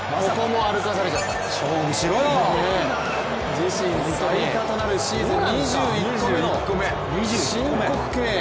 自身最多となるシーズン２１個目の申告敬遠。